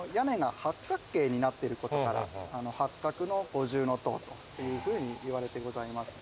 なってることから八角の五重塔というふうにいわれてございます。